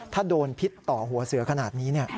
ถ้าโดนพิษต่อหัวเสือขนาดนี้